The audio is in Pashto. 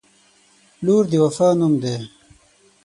• لور د وفا نوم دی.